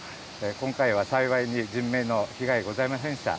今回は幸いに、人命の被害ございませんでした。